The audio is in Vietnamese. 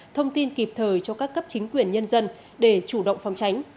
thông tin kịp thời cho các cấp chính quyền nhân dân để chủ động phòng tránh